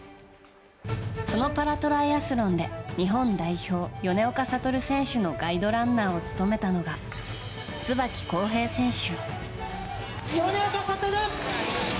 そのパラトライアスロンで日本代表、米岡聡選手のガイドランナーを務めたのが椿浩平選手。